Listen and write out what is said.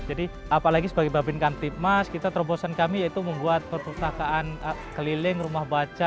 jadi apalagi sebagai bapin kantipmas kita terobosan kami yaitu membuat pertakaan keliling rumah baca